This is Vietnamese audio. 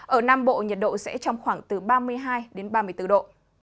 ở nam bộ nhiệt độ sẽ trong khoảng từ ba mươi hai đến ba mươi bốn độ